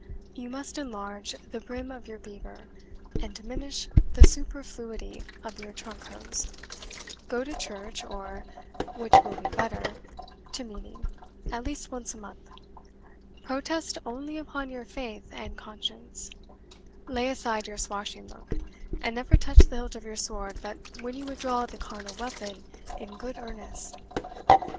You must enlarge the brim of your beaver, and diminish the superfluity of your trunk hose; go to church, or, which will be better, to meeting, at least once a month; protest only upon your faith and conscience; lay aside your swashing look, and never touch the hilt of your sword but when you would draw the carnal weapon in good earnest."